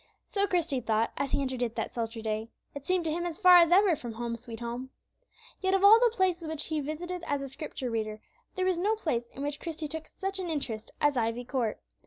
So Christie thought, as he entered it that sultry day; it seemed to him as far as ever from "Home, sweet Home." Yet, of all the places which he visited as a Scripture reader, there was no place in which Christie took such an interest as Ivy Court.